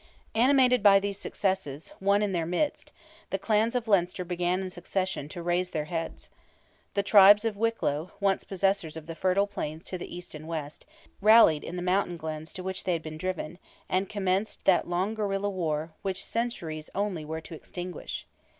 Animated by these successes, won in their midst, the clans of Leinster began in succession to raise their heads. The tribes of Wicklow, once possessors of the fertile plains to the east and west, rallied in the mountain glens to which they had been driven, and commenced that long guerilla war, which centuries only were to extinguish.